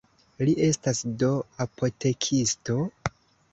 Li estas do apotekisto?